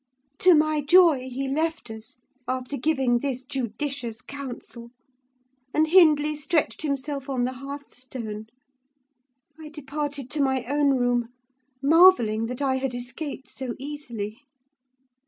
To my joy, he left us, after giving this judicious counsel, and Hindley stretched himself on the hearthstone. I departed to my own room, marvelling that I had escaped so easily.